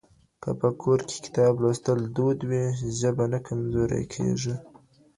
که په کور کي کتاب لوستل دود وي، ژبه نه کمزورې کېږي.